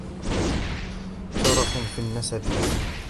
شرفٌ في النسبِ